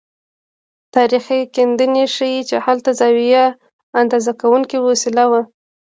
تاریخي کیندنې ښيي چې هلته زاویه اندازه کوونکې وسیله وه.